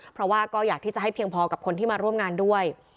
เพราะว่าก็อยากที่จะให้เพียงพอกับคนที่มาร่วมงานด้วย